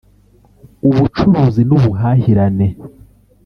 Ubucuruzi n’ubuhahirane